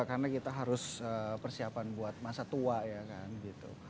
karena kita harus persiapan buat masa tua ya kan gitu